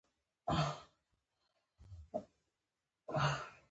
انار راوړه،